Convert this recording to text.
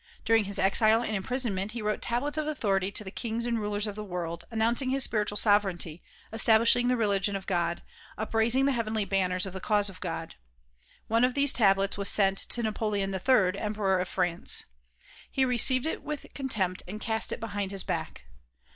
During his exile and imprisonment he wrote tablets of authority to the kings and rulers of the world, announcing his spiritual sovereignty, establishing the religion of God, upraising the heavenly banners of the cause of God. One of these tablets was sent to Napoleon III, emperor of France. He received it with contempt and cast it behind his back.